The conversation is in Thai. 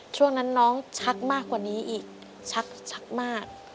ช่วงนั้นน้องชักมากกว่านี้อีกชักมาก